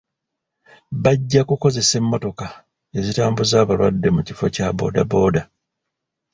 Bajja kukozesa emmotoka ezitambuza abalwadde mu kifo kya boodabooda.